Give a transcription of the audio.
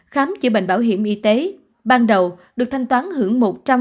khám chữa bệnh bảo hiểm y tế ban đầu được thanh toán hưởng một trăm linh